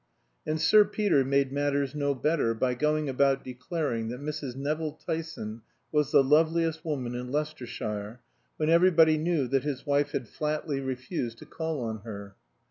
And Sir Peter made matters no better by going about declaring that Mrs. Nevill Tyson was the loveliest woman in Leicestershire, when everybody knew that his wife had flatly refused to call on her.